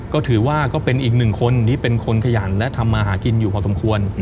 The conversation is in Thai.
ก็ถือว่าก็เป็นอีกหนึ่งคนที่เป็นคนขยันและทำมาหากินอยู่พอสมควร